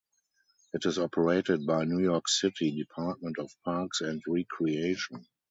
It is operated by New York City Department of Parks and Recreation.